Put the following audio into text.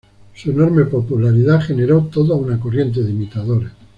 Su enorme popularidad generó toda una corriente de imitadores.